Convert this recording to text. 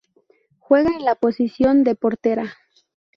Juega en la posición de portera.